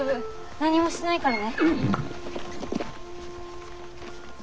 何もしないからね。